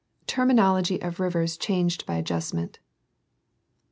Terminology of rivers changed by adjustment.